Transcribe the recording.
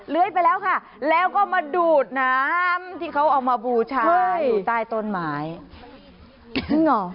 ไปแล้วค่ะแล้วก็มาดูดน้ำที่เขาเอามาบูชาอยู่ใต้ต้นไม้จริงเหรอ